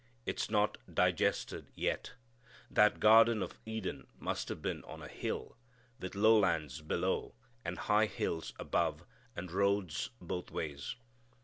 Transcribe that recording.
It's not digested yet. That Garden of Eden must have been on a hill, with lowlands below, and high hills above, and roads both ways.